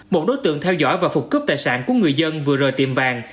một đối tượng theo dõi và phục cướp tài sản của người dân vừa rời tiệm vàng